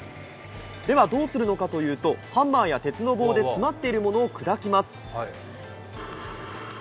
どうするのかというとハンマーや鉄の棒で詰まっているものを砕きます。